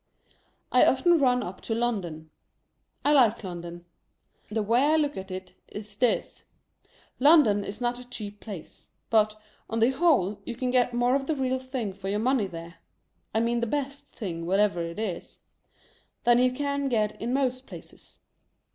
I often run up to London. I like London. The way I look at it is this. London is not a cheap place, but, on the whole, you can get more of the real thing for your money there — I mean the best thing, whatever it is — than you can get va. most places.